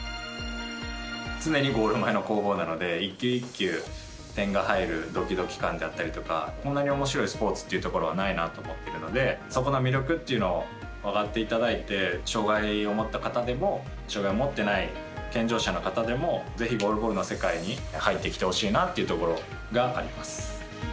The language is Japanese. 常にゴール前の攻防なので１球１球点が入るドキドキ感だったりとかこんなにおもしろいスポーツはないなと思っているのでそこの魅力を分かっていただいて障がいを持った方でも障がいを持っていない健常者の方でもぜひゴールボールの世界に入ってきてほしいなというところがあります。